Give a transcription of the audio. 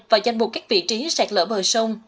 vào danh mục các vị trí sạt lỡ bờ sông